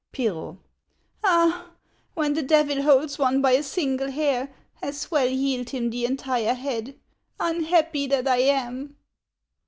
Pirro. Ah ! When the Devil holds one by a single hair, as well yield him the entire head. Unhappy that I am